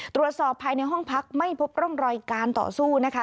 ตรวจสอบภายในห้องพักไม่พบร่องรอยการต่อสู้นะคะ